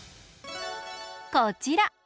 こちら。